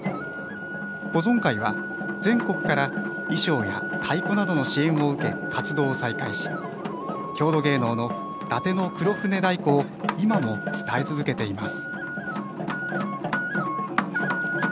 保存会は、全国から衣装や太鼓などの支援を受け活動を再開し郷土芸能の伊達の黒船太鼓を今も伝え続けています。